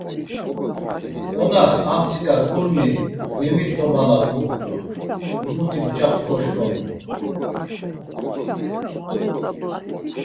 Onas amtsika kurmi memit̆omalaput̆u, himuti mç̌apuk oşǩomu.